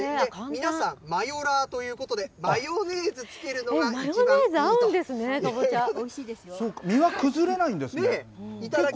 皆さん、マヨラーということで、マヨネーズつけるのが、一番いいマヨネーズ合うんですね、か身は崩れないんですね。